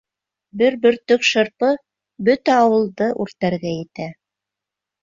Бер бөртөк шырпы бөтә ауылды үртәргә етә.